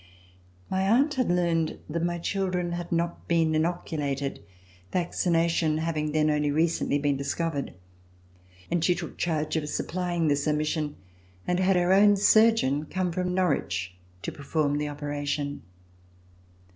My aunt had learned that my children had not RECOLLECTIONS OF THE REVOLUTION been inoculated (vaccination having then only re cently been discovered) and she took charge of supply ing this omission and had her own surgeon come from Norwich to perform the operation.